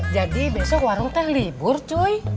jadi besok warung teh libur cuy